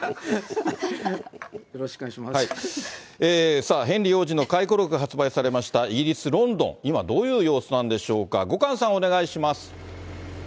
さあ、ヘンリー王子の回顧録、発売されました、イギリス・ロンドン、今、どういう様子なんでしょうか。